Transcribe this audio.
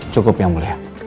cukup yang boleh